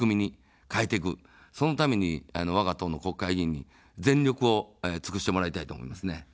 そのために、わが党の国会議員に全力を尽くしてもらいたいと思いますね。